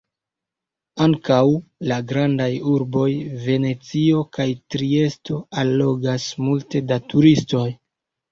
Ankaŭ la grandaj urboj Venecio kaj Triesto allogas multe da turistoj.